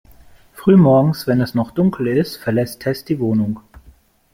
Früh morgens, wenn es noch dunkel ist, verlässt Tess die Wohnung.